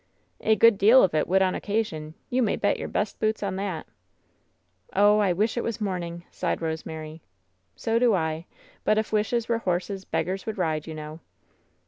"A good deal of it would on occasion. You may bet your best boots on that." "Oh, I wish it was morning!" sighed Rosemary. "So do I. But *if wishes were horses, beggars would ride,' you know."